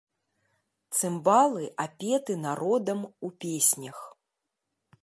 Цымбалы апеты народам у песнях.